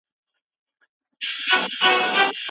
هغه څوک چې ونې کښېنوي د ثواب مستحق دی.